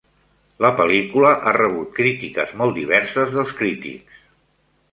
La pel·lícula ha rebut crítiques molt diverses dels crítics.